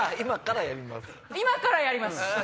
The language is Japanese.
今からやります。